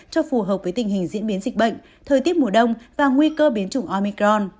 cho phù hợp với tình hình diễn biến dịch bệnh thời tiết mùa đông và nguy cơ biến chủng omicron